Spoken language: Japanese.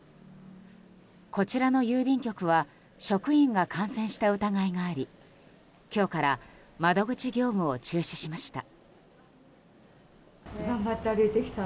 こちらの郵便局は職員が感染した疑いがあり今日から窓口業務を中止しました。